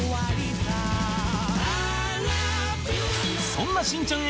そんな『しんちゃん』